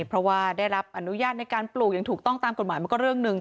เพราะว่าได้รับอนุญาตในการปลูกอย่างถูกต้องตามกฎหมายมันก็เรื่องหนึ่ง